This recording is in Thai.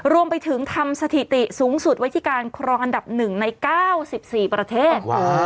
รวมไปถึงทำสถิติสูงสุดวัยการครอบอันดับหนึ่งใน๙๔ประเทศ